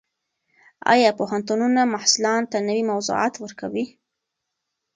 ایا پوهنتونونه محصلانو ته نوي موضوعات ورکوي؟